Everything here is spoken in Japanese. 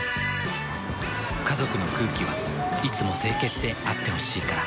家族の空気はいつも清潔であってほしいから。